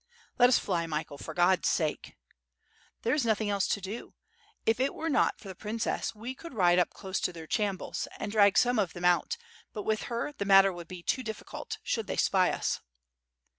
"Let us fly, Michael, for God's sake." "There is nothing else to do. If it were not for the prin cess, we could ride up close to their chambuls, and drag some of them out, but with her, the matter would be too difficult, should they spy us."